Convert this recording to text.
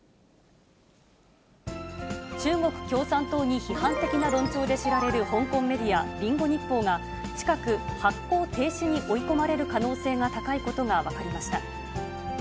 中国共産党に批判的な論調で知られる香港メディア、リンゴ日報が、近く発行停止に追い込まれる可能性が高いことが分かりました。